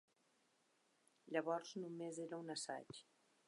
Llavors només era un assaig.